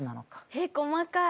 えっ細かい。